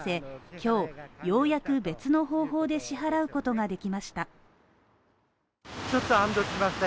今日、ようやく別の方法で支払うことができました。